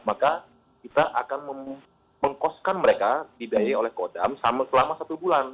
maka kita akan mengkoskan mereka dibiayai oleh kodam selama satu bulan